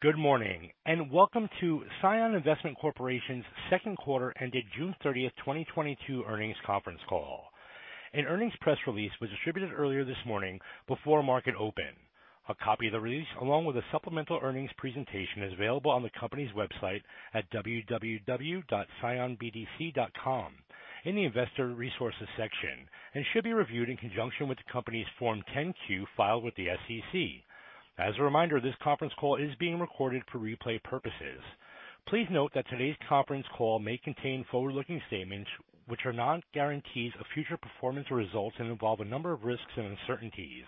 Good morning, and welcome to CION Investment Corporation's second quarter ended June 30, 2022 earnings conference call. An earnings press release was distributed earlier this morning before market open. A copy of the release, along with the supplemental earnings presentation, is available on the company's website at www.cionbdc.com in the Investor Resources section and should be reviewed in conjunction with the company's Form 10-Q filed with the SEC. As a reminder, this conference call is being recorded for replay purposes. Please note that today's conference call may contain forward-looking statements which are not guarantees of future performance or results and involve a number of risks and uncertainties.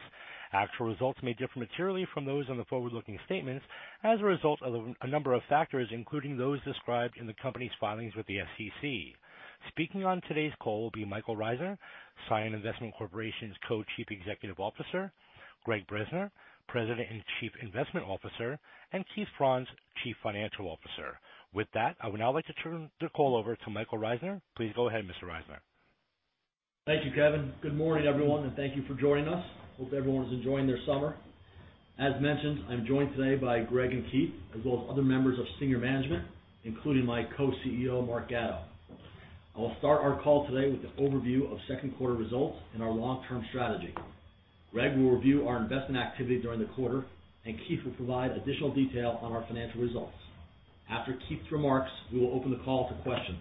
Actual results may differ materially from those on the forward-looking statements as a result of a number of factors, including those described in the company's filings with the SEC. Speaking on today's call will be Michael Reisner, CION Investment Corporation's Co-Chief Executive Officer, Gregg Bresner, President and Chief Investment Officer, and Keith Franz, Chief Financial Officer. With that, I would now like to turn the call over to Michael Reisner. Please go ahead, Mr. Reisner. Thank you, Kevin. Good morning, everyone, and thank you for joining us. Hope everyone's enjoying their summer. As mentioned, I'm joined today by Gregg and Keith, as well as other members of senior management, including my co-CEO, Mark Gatto. I will start our call today with an overview of second quarter results and our long-term strategy. Gregg will review our investment activity during the quarter, and Keith will provide additional detail on our financial results. After Keith's remarks, we will open the call to questions.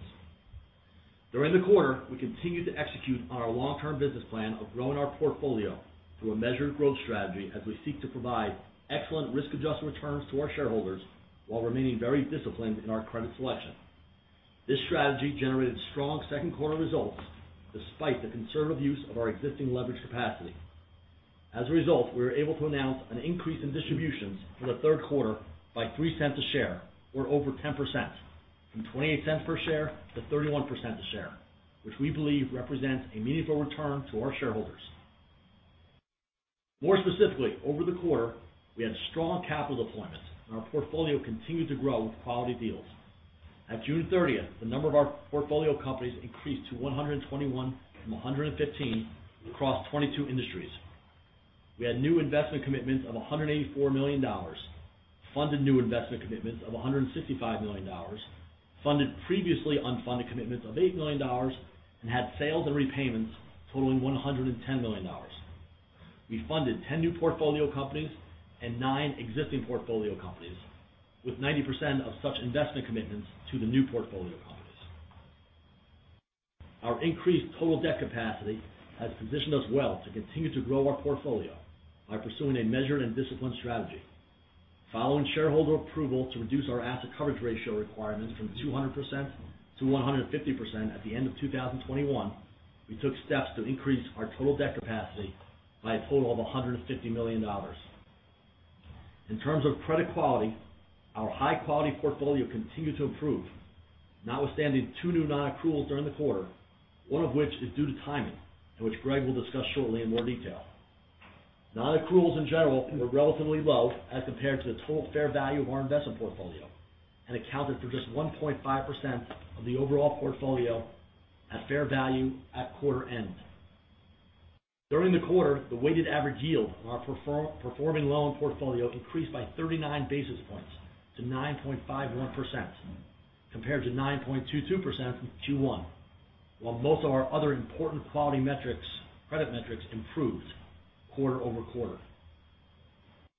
During the quarter, we continued to execute on our long-term business plan of growing our portfolio through a measured growth strategy as we seek to provide excellent risk-adjusted returns to our shareholders while remaining very disciplined in our credit selection. This strategy generated strong second quarter results despite the conservative use of our existing leverage capacity. As a result, we were able to announce an increase in distributions for the third quarter by $0.03 per share or over 10% from $0.28 per share to $0.31 per share. Which we believe represents a meaningful return to our shareholders. More specifically, over the quarter, we had strong capital deployments, and our portfolio continued to grow with quality deals. At June 30, the number of our portfolio companies increased to 121 from 115 across 22 industries. We had new investment commitments of $184 million, funded new investment commitments of $165 million, funded previously unfunded commitments of $8 million, and had sales and repayments totaling $110 million. We funded 10 new portfolio companies and nine existing portfolio companies, with 90% of such investment commitments to the new portfolio companies. Our increased total debt capacity has positioned us well to continue to grow our portfolio by pursuing a measured and disciplined strategy. Following shareholder approval to reduce our asset coverage ratio requirements from 200% to 150% at the end of 2021, we took steps to increase our total debt capacity by a total of $150 million. In terms of credit quality, our high-quality portfolio continued to improve. Notwithstanding two new non-accruals during the quarter, one of which is due to timing, and which Greg will discuss shortly in more detail. Non-accruals, in general, were relatively low as compared to the total fair value of our investment portfolio and accounted for just 1.5% of the overall portfolio at fair value at quarter end. During the quarter, the weighted average yield on our performing loan portfolio increased by 39 basis points to 9.51% compared to 9.22% from Q1. While most of our other important quality metrics, credit metrics improved quarter-over-quarter.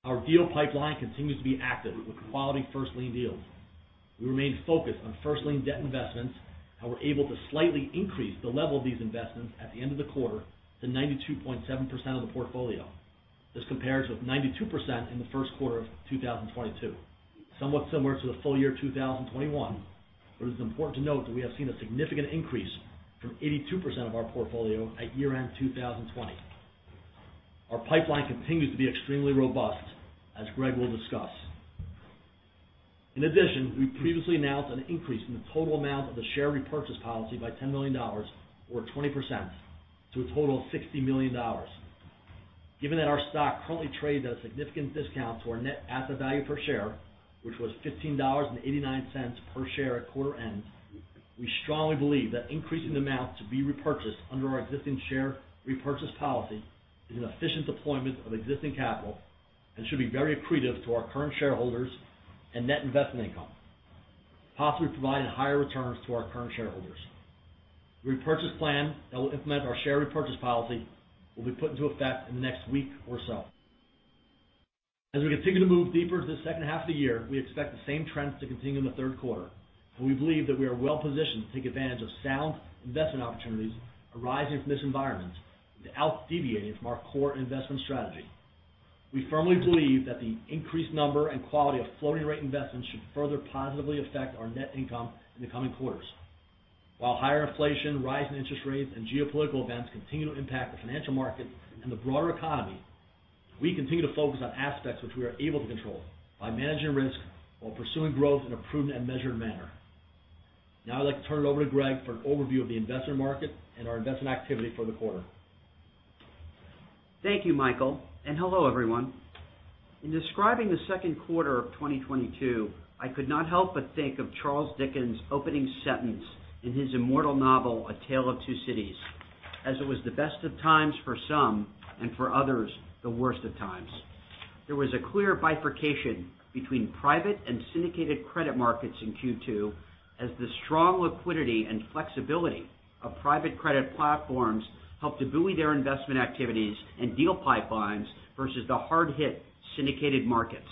Our deal pipeline continues to be active with quality first-lien deals. We remain focused on first-lien debt investments and were able to slightly increase the level of these investments at the end of the quarter to 92.7% of the portfolio. This compares with 92% in the first quarter of 2022. Somewhat similar to the full year 2021, but it is important to note that we have seen a significant increase from 82% of our portfolio at year-end 2020. Our pipeline continues to be extremely robust, as Greg will discuss. In addition, we previously announced an increase in the total amount of the share repurchase policy by $10 million or 20% to a total of $60 million. Given that our stock currently trades at a significant discount to our net asset value per share, which was $15.89 per share at quarter end, we strongly believe that increasing the amount to be repurchased under our existing share repurchase policy is an efficient deployment of existing capital and should be very accretive to our current shareholders and net investment income, possibly providing higher returns to our current shareholders. The repurchase plan that will implement our share repurchase policy will be put into effect in the next week or so. As we continue to move deeper into the second half of the year, we expect the same trends to continue in the third quarter, and we believe that we are well positioned to take advantage of sound investment opportunities arising from this environment without deviating from our core investment strategy. We firmly believe that the increased number and quality of floating rate investments should further positively affect our net income in the coming quarters. While higher inflation, rising interest rates, and geopolitical events continue to impact the financial markets and the broader economy, we continue to focus on aspects which we are able to control by managing risk while pursuing growth in a prudent and measured manner. Now I'd like to turn it over to Gregg for an overview of the investment market and our investment activity for the quarter. Thank you, Michael, and hello, everyone. In describing the second quarter of 2022, I could not help but think of Charles Dickens' opening sentence in his immortal novel, A Tale of Two Cities. As it was the best of times for some, and for others, the worst of times. There was a clear bifurcation between private and syndicated credit markets in Q2 as the strong liquidity and flexibility of private credit platforms helped to buoy their investment activities and deal pipelines versus the hard-hit syndicated markets.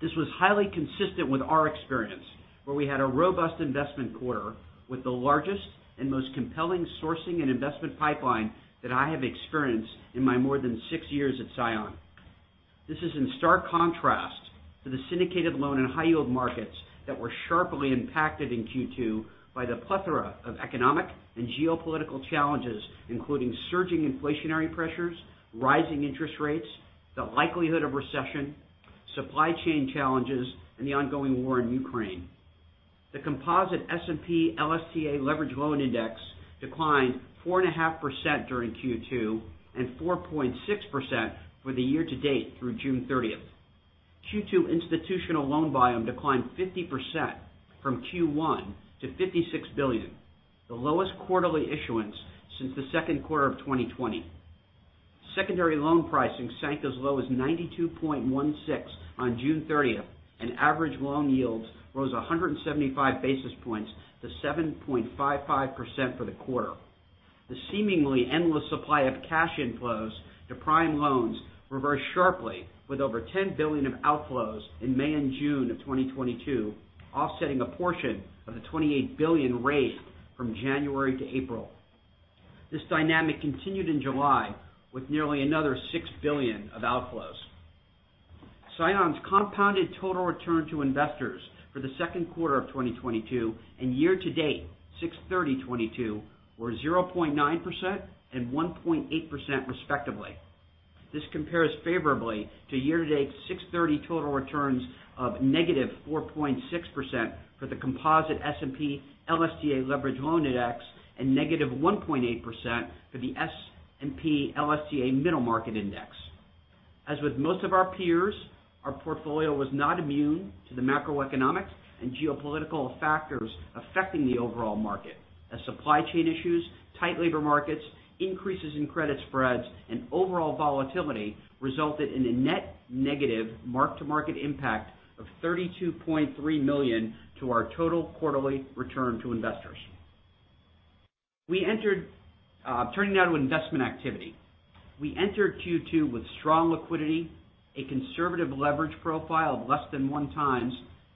This was highly consistent with our experience, where we had a robust investment quarter with the largest and most compelling sourcing and investment pipeline that I have experienced in my more than six years at CION. This is in stark contrast to the syndicated loan and high yield markets that were sharply impacted in Q2 by the plethora of economic and geopolitical challenges, including surging inflationary pressures, rising interest rates, the likelihood of recession, supply chain challenges, and the ongoing war in Ukraine. The composite S&P/LSTA Leveraged Loan Index declined 4.5% during Q2, and 4.6% for the year-to-date through June 30. Q2 institutional loan volume declined 50% from Q1 to $56 billion, the lowest quarterly issuance since the second quarter of 2020. Secondary loan pricing sank as low as 92.16 on June 30, and average loan yields rose 175 basis points to 7.55% for the quarter. The seemingly endless supply of cash inflows to prime loans reversed sharply, with over $10 billion of outflows in May and June of 2022 offsetting a portion of the $28 billion raised from January to April. This dynamic continued in July with nearly another $6 billion of outflows. CION's compounded total return to investors for the second quarter of 2022 and year-to-date, 6/30/2022, were 0.9% and 1.8% respectively. This compares favorably to year-to-date 6/30 total returns of -4.6% for the composite S&P/LSTA Leveraged Loan Index, and -1.8% for the S&P/LSTA Middle Market Index. As with most of our peers, our portfolio was not immune to the macroeconomic and geopolitical factors affecting the overall market. As supply chain issues, tight labor markets, increases in credit spreads, and overall volatility resulted in a net negative mark-to-market impact of $32.3 million to our total quarterly return to investors. Turning now to investment activity. We entered Q2 with strong liquidity, a conservative leverage profile of less than 1x,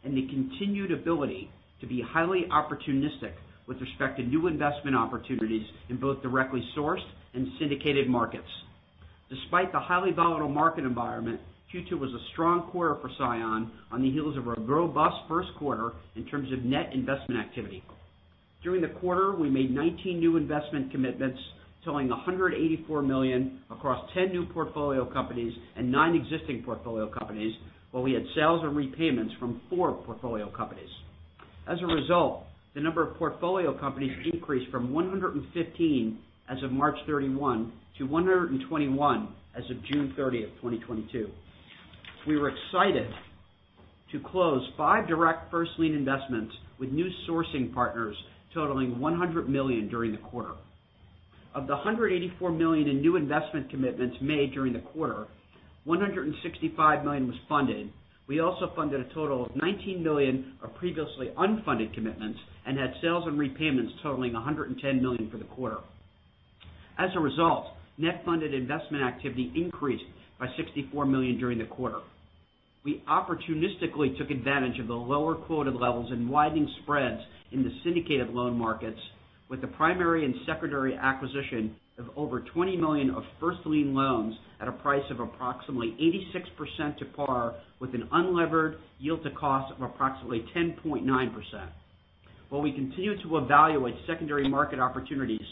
and the continued ability to be highly opportunistic with respect to new investment opportunities in both directly sourced and syndicated markets. Despite the highly volatile market environment, Q2 was a strong quarter for CION on the heels of a robust first quarter in terms of net investment activity. During the quarter, we made 19 new investment commitments, totaling $184 million across 10 new portfolio companies and nine existing portfolio companies, while we had sales and repayments from four portfolio companies. As a result, the number of portfolio companies increased from 115 as of March 31 to 121 as of June 30, 2022. We were excited to close five direct first lien investments with new sourcing partners totaling $100 million during the quarter. Of the $184 million in new investment commitments made during the quarter, $165 million was funded. We also funded a total of $19 million of previously unfunded commitments and had sales and repayments totaling $110 million for the quarter. As a result, net funded investment activity increased by $64 million during the quarter. We opportunistically took advantage of the lower quoted levels and widening spreads in the syndicated loan markets with the primary and secondary acquisition of over $20 million of first lien loans at a price of approximately 86% to par, with an unlevered yield to cost of approximately 10.9%. While we continue to evaluate secondary market opportunities,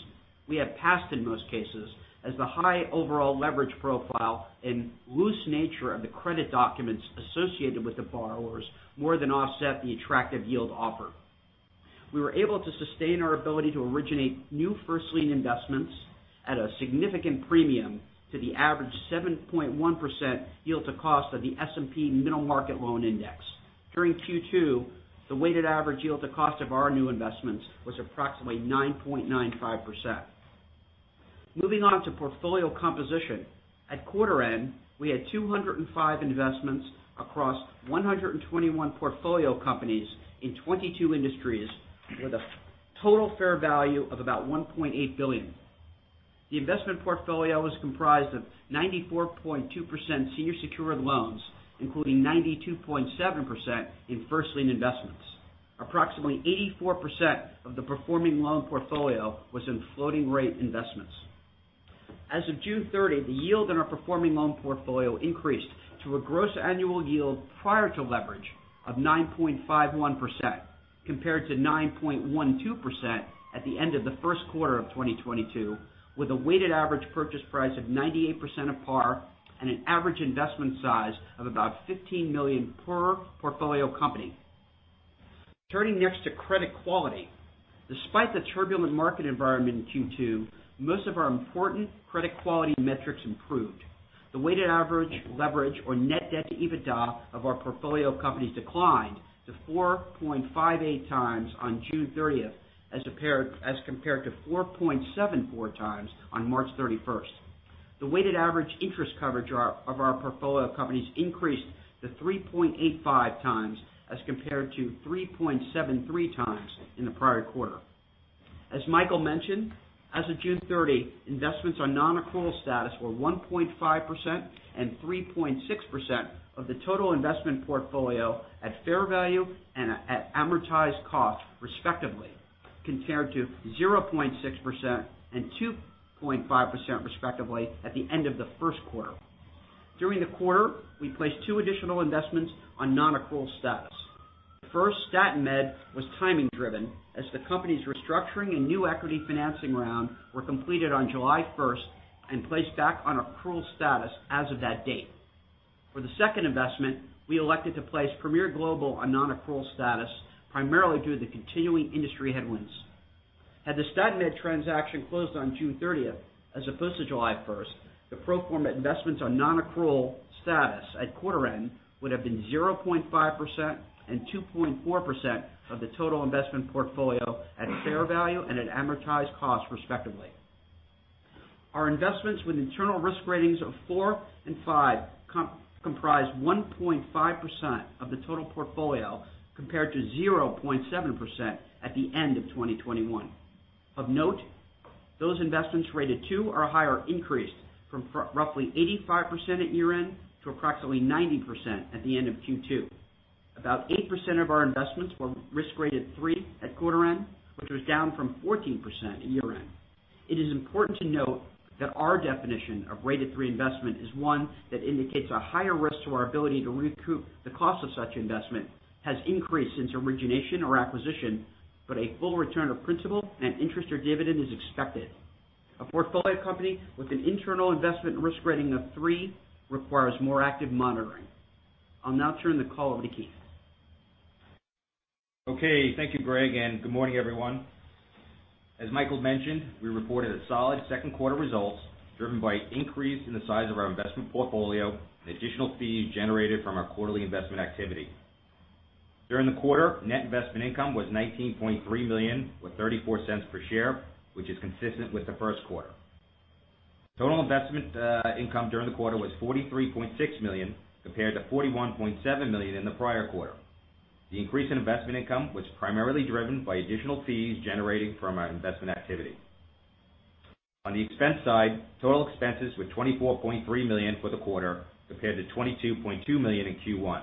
we have passed in most cases as the high overall leverage profile and loose nature of the credit documents associated with the borrowers more than offset the attractive yield offer. We were able to sustain our ability to originate new first lien investments at a significant premium to the average 7.1% yield to cost of the S&P Middle Market Loan Index. During Q2, the weighted average yield to cost of our new investments was approximately 9.95%. Moving on to portfolio composition. At quarter end, we had 205 investments across 121 portfolio companies in 22 industries with a total fair value of about $1.8 billion. The investment portfolio was comprised of 94.2% senior secured loans, including 92.7% in first lien investments. Approximately 84% of the performing loan portfolio was in floating rate investments. As of June 30, the yield on our performing loan portfolio increased to a gross annual yield prior to leverage of 9.51% compared to 9.12% at the end of the first quarter of 2022, with a weighted average purchase price of 98% of par and an average investment size of about $15 million per portfolio company. Turning next to credit quality. Despite the turbulent market environment in Q2, most of our important credit quality metrics improved. The weighted average leverage or net debt to EBITDA of our portfolio companies declined to 4.58x on June 30th as compared to 4.74x on March 31st. The weighted average interest coverage of our portfolio companies increased to 3.85x as compared to 3.73x in the prior quarter. As Michael mentioned, as of June 30, investments on non-accrual status were 1.5% and 3.6% of the total investment portfolio at fair value and at amortized cost, respectively, compared to 0.6% and 2.5% respectively at the end of the first quarter. During the quarter, we placed two additional investments on non-accrual status. The first, STATinMED, was timing driven as the company's restructuring and new equity financing round were completed on July 1st and placed back on accrual status as of that date. For the second investment, we elected to place Premier Global on non-accrual status, primarily due to the continuing industry headwinds. Had the STATinMED transaction closed on June 30 as opposed to July 1, the Pro Forma Investments on non-accrual status at quarter end would have been 0.5% and 2.4% of the total investment portfolio at fair value and at amortized cost, respectively. Our investments with internal risk ratings of four and five comprise 1.5% of the total portfolio, compared to 0.7% at the end of 2021. Of note, those investments rated two or higher increased from roughly 85% at year-end to approximately 90% at the end of Q2. About 8% of our investments were risk rated three at quarter end, which was down from 14% at year-end. It is important to note that our definition of rated three investment is one that indicates a higher risk to our ability to recoup the cost of such investment has increased since origination or acquisition, but a full return of principal and interest or dividend is expected. A portfolio company with an internal investment risk rating of three requires more active monitoring. I'll now turn the call over to Keith. Okay, thank you, Greg, and good morning, everyone. As Michael mentioned, we reported a solid second quarter results driven by increase in the size of our investment portfolio and additional fees generated from our quarterly investment activity. During the quarter, net investment income was $19.3 million, with $0.34 per share, which is consistent with the first quarter. Total investment income during the quarter was $43.6 million, compared to $41.7 million in the prior quarter. The increase in investment income was primarily driven by additional fees generated from our investment activity. On the expense side, total expenses were $24.3 million for the quarter, compared to $22.2 million in Q1.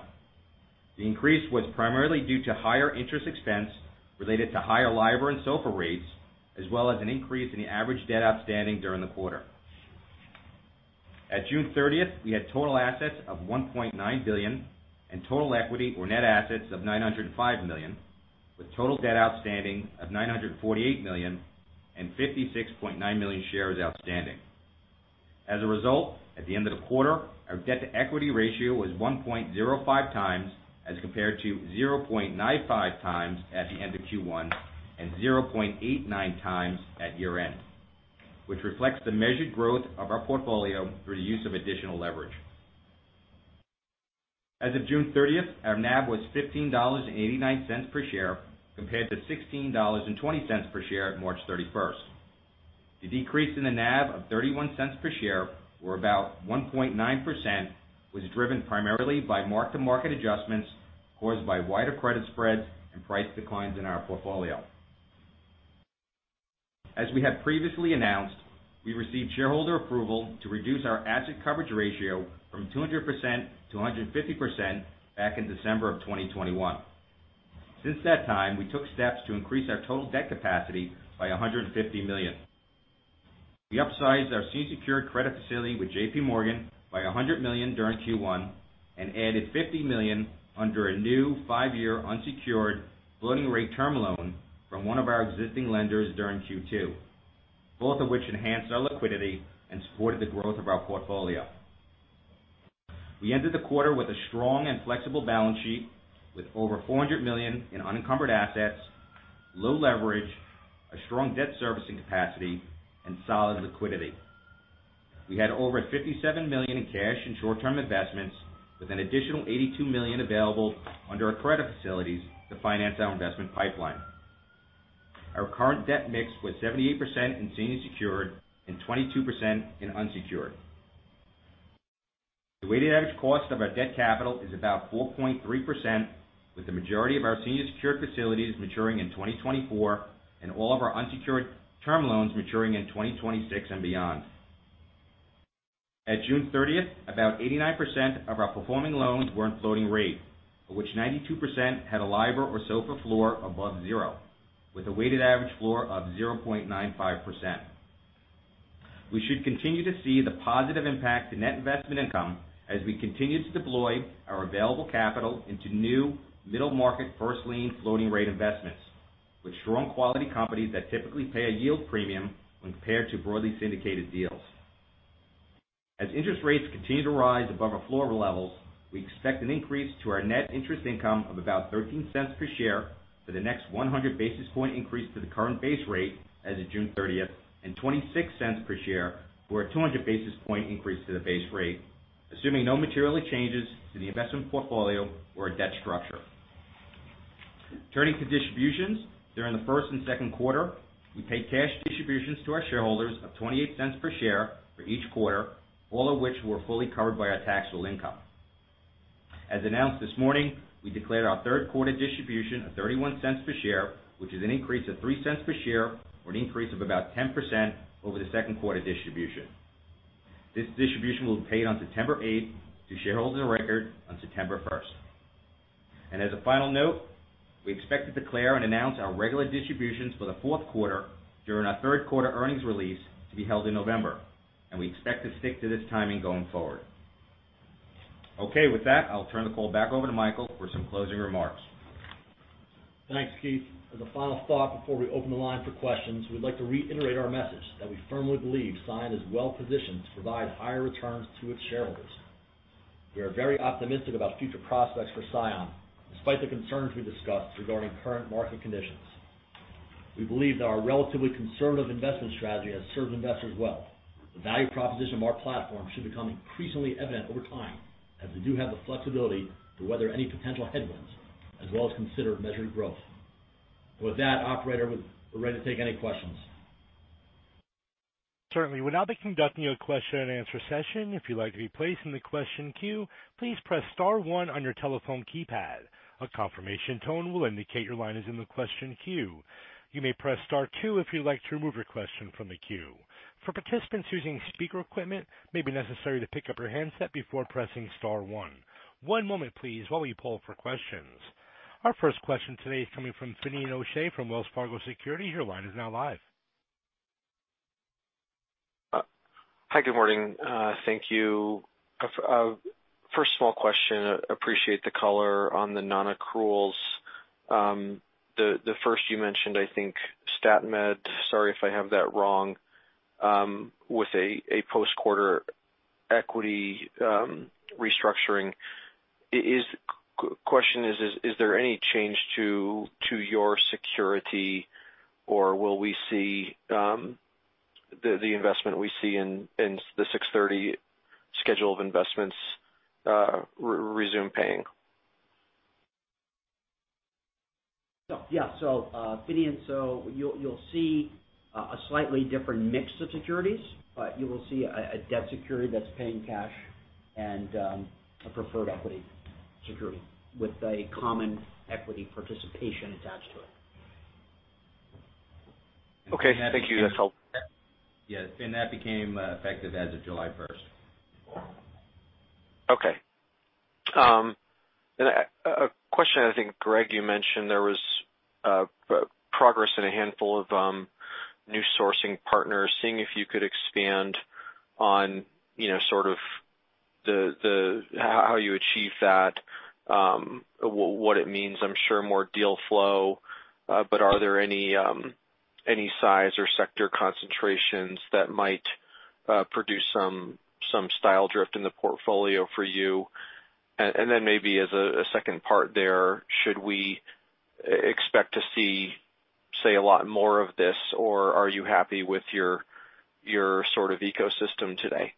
The increase was primarily due to higher interest expense related to higher LIBOR and SOFR rates, as well as an increase in the average debt outstanding during the quarter. At June 30, we had total assets of $1.9 billion and total equity or net assets of $905 million, with total debt outstanding of $948 million and 56.9 million shares outstanding. As a result, at the end of the quarter, our debt-to-equity ratio was 1.05x as compared to 0.95x at the end of Q1 and 0.89x at year-end, which reflects the measured growth of our portfolio through the use of additional leverage. As of June 30, our NAV was $15.89 per share, compared to $16.20 per share at March 31. The decrease in the NAV of $0.31 per share, or about 1.9%, was driven primarily by mark-to-market adjustments caused by wider credit spreads and price declines in our portfolio. We have previously announced, we received shareholder approval to reduce our asset coverage ratio from 200% to 150% back in December 2021. Since that time, we took steps to increase our total debt capacity by $150 million. We upsized our senior secured credit facility with JP Morgan by $100 million during Q1 and added $50 million under a new five-year unsecured floating rate term loan from one of our existing lenders during Q2, both of which enhanced our liquidity and supported the growth of our portfolio. We ended the quarter with a strong and flexible balance sheet with over $400 million in unencumbered assets, low leverage, a strong debt servicing capacity and solid liquidity. We had over $57 million in cash and short-term investments, with an additional $82 million available under our credit facilities to finance our investment pipeline. Our current debt mix was 78% in senior secured and 22% in unsecured. The weighted average cost of our debt capital is about 4.3%, with the majority of our senior secured facilities maturing in 2024 and all of our unsecured term loans maturing in 2026 and beyond. At June 30, about 89% of our performing loans were in floating rate, of which 92% had a LIBOR or SOFR floor above zero, with a weighted average floor of 0.95%. We should continue to see the positive impact to net investment income as we continue to deploy our available capital into new middle-market first lien floating rate investments with strong quality companies that typically pay a yield premium when compared to broadly syndicated deals. As interest rates continue to rise above our floor levels, we expect an increase to our net interest income of about $0.13 per share for the next 100 basis point increase to the current base rate as of June 30th, and $0.26 per share for a 200 basis point increase to the base rate, assuming no material changes to the investment portfolio or debt structure. Turning to distributions. During the first and second quarter, we paid cash distributions to our shareholders of $0.28 per share for each quarter, all of which were fully covered by our taxable income. As announced this morning, we declared our third quarter distribution of $0.31 per share, which is an increase of $0.03 per share or an increase of about 10% over the second quarter distribution. This distribution will be paid on September eighth to shareholders of record on September first. As a final note, we expect to declare and announce our regular distributions for the fourth quarter during our third quarter earnings release to be held in November. We expect to stick to this timing going forward. Okay. With that, I'll turn the call back over to Michael for some closing remarks. Thanks, Keith. As a final thought, before we open the line for questions, we'd like to reiterate our message that we firmly believe CION is well positioned to provide higher returns to its shareholders. We are very optimistic about future prospects for CION despite the concerns we discussed regarding current market conditions. We believe that our relatively conservative investment strategy has served investors well. The value proposition of our platform should become increasingly evident over time as we do have the flexibility to weather any potential headwinds as well as consider measured growth. With that operator, we're ready to take any questions. Certainly. We'll now be conducting a question and answer session. If you'd like to be placed in the question queue, please press star one on your telephone keypad. A confirmation tone will indicate your line is in the question queue. You may press star two if you'd like to remove your question from the queue. For participants using speaker equipment, it may be necessary to pick up your handset before pressing star one. One moment please while we poll for questions. Our first question today is coming from Finian O'Shea from Wells Fargo Securities. Your line is now live. Hi, good morning. Thank you. First of all, question. Appreciate the color on the non-accruals. The first you mentioned, I think STATinMED. Sorry if I have that wrong, with a post-quarter equity restructuring. Question is there any change to your security or will we see the investment we see in the 6/30 schedule of investments resume paying? Finian, you'll see a slightly different mix of securities. You will see a debt security that's paying cash and a preferred equity security with a common equity participation attached to it. Okay, thank you. That's helpful. Yeah. That became effective as of July 1st. Okay. A question I think, Gregg, you mentioned there was progress in a handful of new sourcing partners. Seeing if you could expand on, you know, sort of the how you achieve that, what it means, I'm sure more deal flow. But are there any size or sector concentrations that might produce some style drift in the portfolio for you? Maybe as a second part there, should we expect to see, say, a lot more of this, or are you happy with your sort of ecosystem today?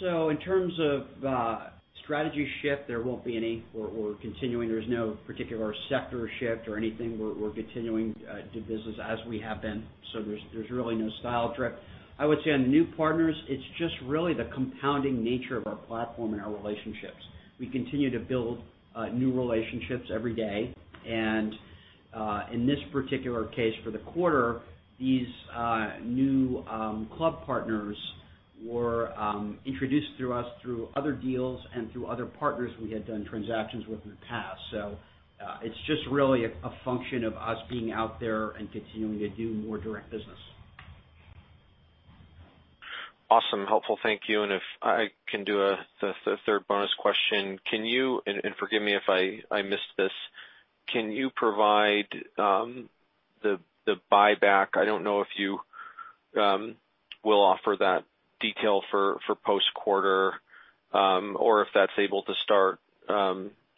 In terms of strategy shift, there won't be any. We're continuing. There's no particular sector shift or anything. We're continuing to do business as we have been. There's really no style drift. I would say on the new partners, it's just really the compounding nature of our platform and our relationships. We continue to build new relationships every day. In this particular case for the quarter, these new club partners were introduced to us through other deals and through other partners we had done transactions with in the past. It's just really a function of us being out there and continuing to do more direct business. Awesome. Helpful. Thank you. If I can do the third bonus question. Can you forgive me if I missed this. Can you provide the buyback? I don't know if you will offer that detail for post quarter, or if that's able to start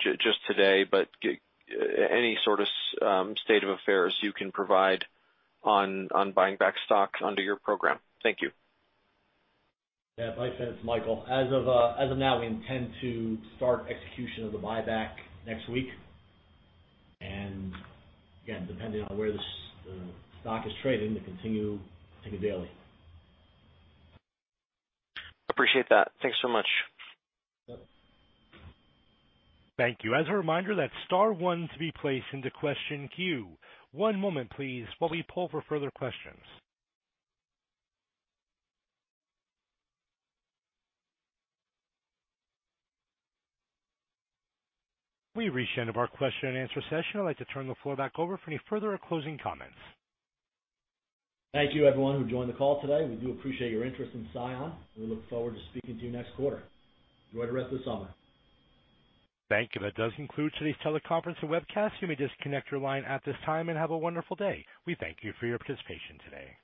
just today. Any sort of state of affairs you can provide on buying back stock under your program. Thank you. Yeah. Thanks. It's Michael. As of now, we intend to start execution of the buyback next week. Again, depending on where the stock is trading, to continue taking it daily. Appreciate that. Thanks so much. Thank you. As a reminder, that's star one to be placed into question queue. One moment please, while we poll for further questions. We've reached the end of our question and answer session. I'd like to turn the floor back over for any further closing comments. Thank you everyone who joined the call today. We do appreciate your interest in CION, and we look forward to speaking to you next quarter. Enjoy the rest of the summer. Thank you. That does conclude today's teleconference and webcast. You may disconnect your line at this time and have a wonderful day. We thank you for your participation today.